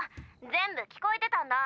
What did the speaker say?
全部聞こえてたんだ。